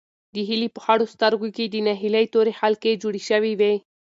د هیلې په خړو سترګو کې د ناهیلۍ تورې حلقې جوړې شوې وې.